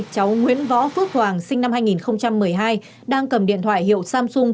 cháu nguyễn võ phước hoàng sinh năm hai nghìn một mươi hai đang cầm điện thoại hiệu samsung